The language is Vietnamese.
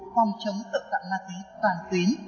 phòng chống tự tạm ma túy toàn tuyến